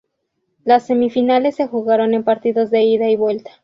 Las semifinales se jugaron en partidos de ida y vuelta.